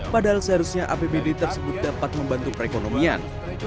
padahal seharusnya apbd tersebut dapat membantu perekonomian